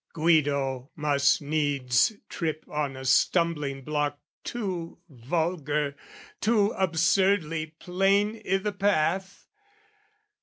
Guido must needs trip on a stumbling block Too vulgar, too absurdly plain i' the path!